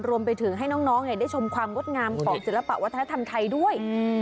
รวมไปถึงให้น้องได้ชมความงดงามของศิลปะวัฒนธรรมไทยด้วย